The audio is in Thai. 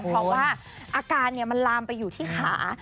เพราะว่าอาการมันลามไปอยู่ที่ขา